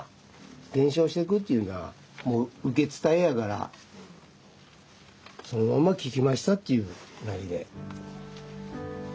伝承していくっていうのはもう受け伝えやからそのまま聞きましたっていう感じで。